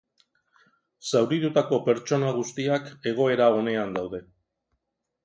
Zauritutako pertsona guztiak egoera onean daude.